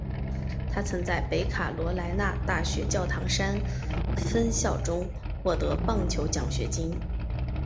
他曾在北卡罗来纳大学教堂山分校中获得棒球奖学金。